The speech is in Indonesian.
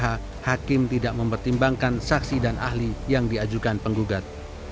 karena menurut lbh hakim tidak mempertimbangkan saksi dan ahli yang diajukan penggugat